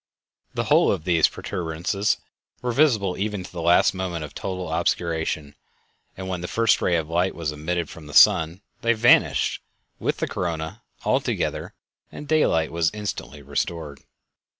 The whole of these protuberances were visible even to the last moment of total obscuration, and when the first ray of light was admitted from the sun they vanished, with the corona, altogether, and daylight was instantly restored.